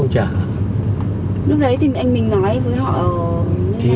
lúc đấy thì anh mình nói với họ